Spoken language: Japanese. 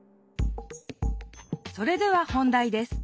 それでは本題です。